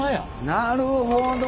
なるほど。